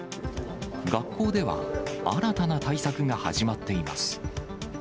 学校では、新たな対策が始まっています。